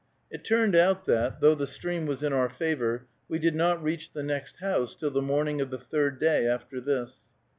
It turned out that, though the stream was in our favor, we did not reach the next house till the morning of the third day after this.